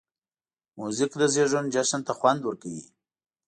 موزیک د زېږون جشن ته خوند ورکوي.